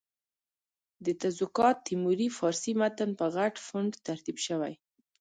د تزوکات تیموري فارسي متن په غټ فونټ ترتیب شوی.